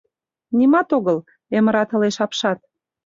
— Нимат огыл, — эмыратылеш апшат.